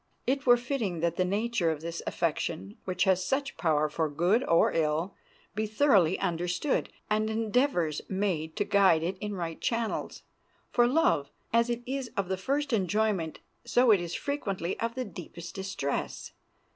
It were fitting that the nature of this affection, which has such power for good or ill, be thoroughly understood, and endeavors made to guide it in right channels. For love, as it is of the first enjoyment, so it is frequently of the deepest distress.